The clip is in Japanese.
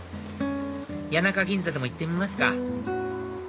谷中銀座でも行ってみますか